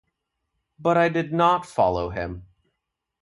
But I did not follow him.